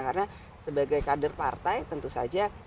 karena sebagai kader partai tentu saja